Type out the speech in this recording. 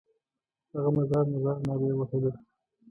هغه مزار مزار نارې وهلې.